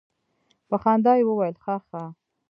په خندا يې وويل خه خه.